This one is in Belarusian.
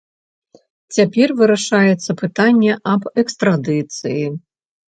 Цяпер вырашаецца пытанне аб экстрадыцыі.